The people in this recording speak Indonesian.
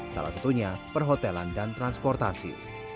salah satunya perhotelan dan transportasi